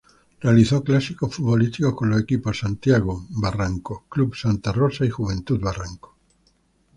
Realizó clásicos futbolísticos con los equipos: Santiago Barranco, club Santa Rosa y Juventud Barranco.